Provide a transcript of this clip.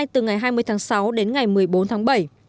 từ ngày hai mươi tháng sáu đến ngày một mươi bốn tháng bảy